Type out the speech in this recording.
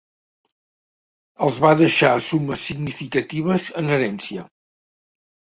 Els va deixar sumes significatives en herència.